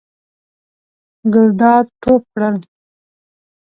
ګلداد ټوپ کړل.